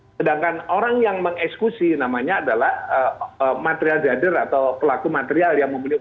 sedangkan orang yang mengekskusi namanya adalah material jadir atau pelaku material yang membeli usaha